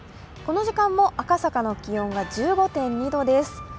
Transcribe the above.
この時間も赤坂の気温は１５．２度です。